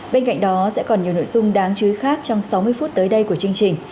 bên cạnh đó sẽ còn nhiều nội dung đáng chú ý khác trong sáu mươi phút tới đây của chương trình